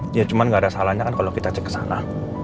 ya cuman gak ada salahnya kan kalo kita cek kesana